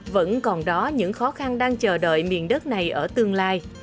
vẫn còn đó những khó khăn đang chờ đợi miền đất này ở tương lai